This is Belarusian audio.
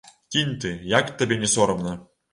Кінь ты, як табе не сорамна!